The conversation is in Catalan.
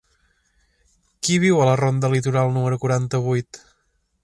Qui viu a la ronda del Litoral número quaranta-vuit?